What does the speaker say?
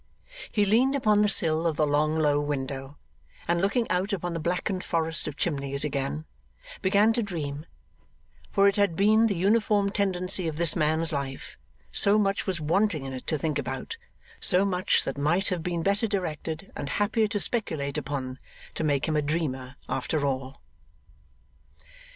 He leaned upon the sill of the long low window, and looking out upon the blackened forest of chimneys again, began to dream; for it had been the uniform tendency of this man's life so much was wanting in it to think about, so much that might have been better directed and happier to speculate upon to make him a dreamer, after all.